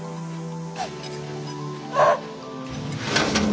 あっ。